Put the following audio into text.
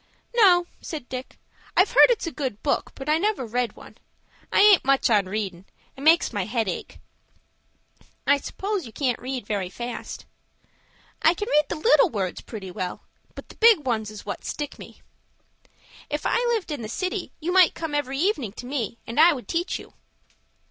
"No," said Dick; "I've heard it's a good book, but I never read one. I aint much on readin'. It makes my head ache." "I suppose you can't read very fast." "I can read the little words pretty well, but the big ones is what stick me." "If I lived in the city, you might come every evening to me, and I would teach you."